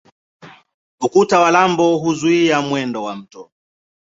Ukuta wa lambo huzuia mwendo wa mto.